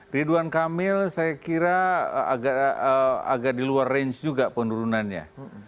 ridwan kamil saya kira agak di luar range juga penurunannya